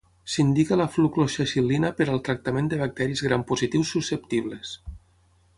S'indica la flucloxacil·lina per al tractament de bacteris gram positius susceptibles.